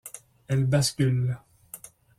Elle bascule.